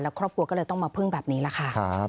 ครอบครัวก็เลยต้องมาพึ่งแบบนี้แหละค่ะ